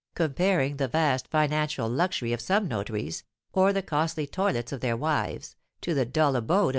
Comparing the vast financial luxury of some notaries, or the costly toilets of their wives, to the dull abode of M.